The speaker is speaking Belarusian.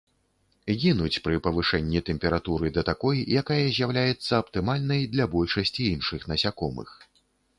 Гінуць пры павышэнні тэмпературы да такой, якая з'яўляецца аптымальнай для большасці іншых насякомых.